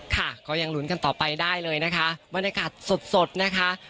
ค่ะก็ยังลุ้นกันต่อไปได้เลยนะคะบรรยากาศสดสดนะคะ